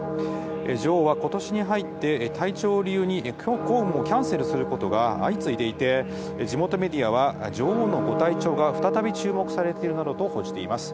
女王はことしに入って体調を理由に公務をキャンセルすることが相次いでいて、地元メディアは、女王のご体調が再び注目されているなどと報じています。